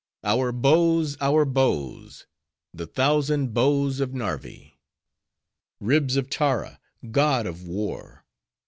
Our bows! our bows! The thousand bows of Narvi! Ribs of Tara, god of War!